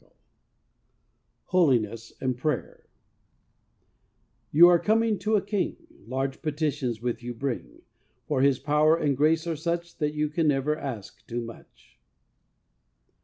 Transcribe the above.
XIII HOLINESS AND PRAYER You are coming to a King, Large petitions with you bring; For His power and grace are such, You can never ask too much.